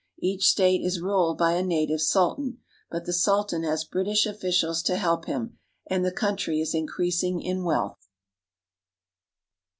Each state is ruled by a native sultan, but the sultan has British officials to help him, and the country is increasing in wealth.